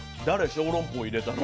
小籠包入れたの。